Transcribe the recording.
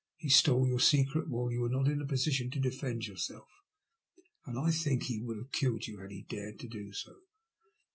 He stole your secret while you were not in a position to defend yourself, and I think he would have killed you had he dared to do so.